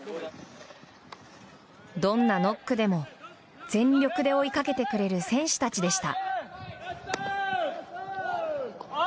どんなノックでも全力で追いかけてくれる選手たちでした。